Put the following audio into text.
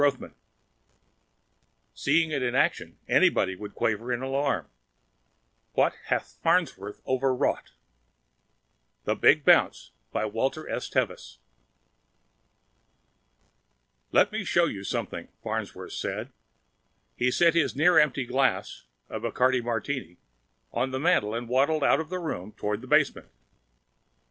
TEVIS Seeing it in action, anybody would quaver in alarm: What hath Farnsworth overwrought? Illustrated by Johnson "Let me show you something," Farnsworth said. He set his near empty drink a Bacardi martini on the mantel and waddled out of the room toward the basement.